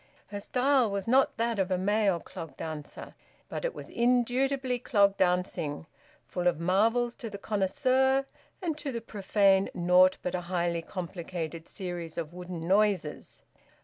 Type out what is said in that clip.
Her style was not that of a male clog dancer, but it was indubitably clog dancing, full of marvels to the connoisseur, and to the profane naught but a highly complicated series of wooden noises.